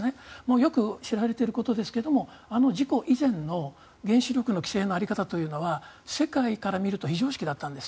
よく知られていることですがあの事故以前の原子力の規制の在り方というのは世界から見ると非常識だったんです。